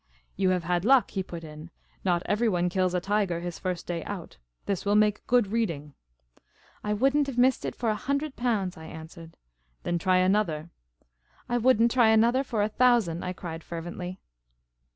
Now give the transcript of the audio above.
" You have had luck," he put in. " Not everyone kills a tiger his first day out. This will make good reading." " I would n't have missed it for a hundred pounds," I an swered. " Then try another." " I would n't try another for a thousand," I cried fer vently.